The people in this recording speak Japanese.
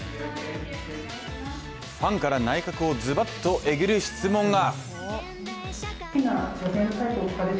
ファンから、内角をズバッとえぐる質問が！